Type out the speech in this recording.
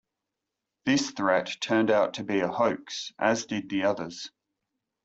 This threat turned out to be a hoax, as did the others.